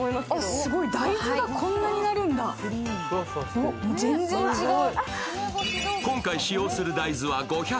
すごい、大豆がこんなになるんだ全然違う。